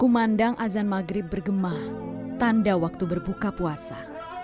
kumandang azan maghrib bergemah tanda waktu berbuka puasa